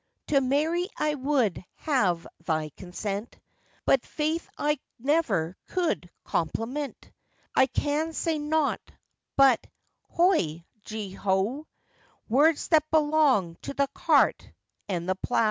To marry I would have thy consent, But faith I never could compliment; I can say nought but 'hoy, gee ho,' Words that belong to the cart and the plow.